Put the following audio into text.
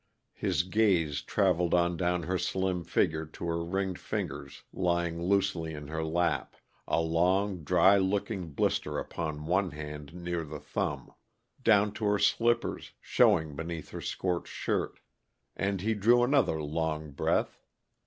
His gaze traveled on down her slim figure to her ringed fingers lying loosely in her lap, a long, dry looking blister upon one hand near the thumb; down to her slippers, showing beneath her scorched skirt. And he drew another long breath.